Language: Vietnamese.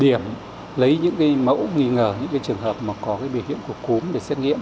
kiểm lấy những mẫu nghi ngờ những trường hợp có biểu hiện của cúm để xét nghiệm